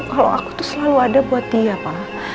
kalau aku tuh selalu ada buat dia pak